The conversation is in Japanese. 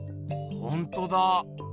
ほんとだ。